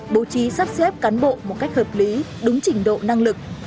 bố trí sắp xếp cán bộ một cách hợp lý đúng trình độ năng lực